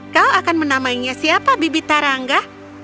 kau akan menamainya siapa bibita rangga